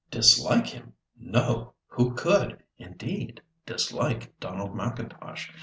Dislike him? No—who could, indeed, dislike Donald M'Intosh?